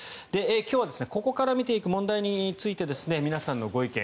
今日はここから見ていく問題について皆さんのご意見